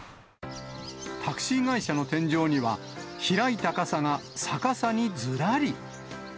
タクシー会社の天井には、開いた傘が逆さにずらり。